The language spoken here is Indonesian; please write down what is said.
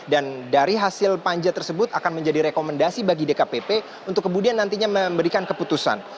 dan dari hasil panja tersebut akan menjadi rekomendasi bagi dkpp untuk kemudian nantinya memberikan keputusan